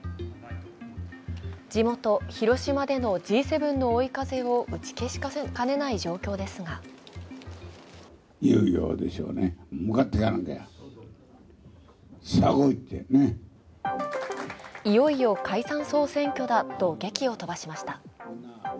地元・広島でのＧ７の追い風を打ち消しかねない状況ですがいよいよ解散総選挙だとげきを飛ばしました。